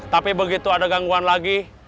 tapi begitu ada gangguan lagi